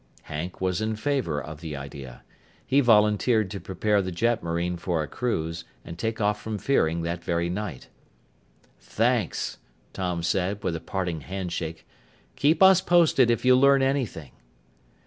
Hank was in favor of the idea. He volunteered to prepare the jetmarine for a cruise and take off from Fearing that very night. "Thanks," Tom said with a parting handshake. "Keep us posted if you learn anything."